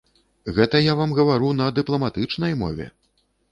Гэта я вам гавару на дыпламатычнай мове.